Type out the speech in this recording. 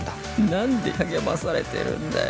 なんで励まされてるんだよ